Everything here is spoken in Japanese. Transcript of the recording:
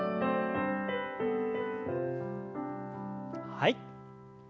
はい。